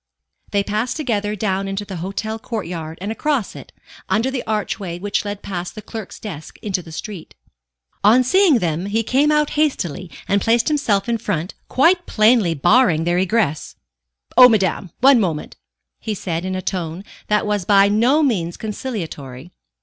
They passed together down into the hotel courtyard and across it, under the archway which led past the clerk's desk into the street. On seeing them, he came out hastily and placed himself in front, quite plainly barring their egress. "Oh, madame, one moment," he said in a tone that was by no means conciliatory.